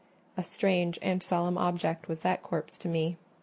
A strange and solemn object was that corpse to me.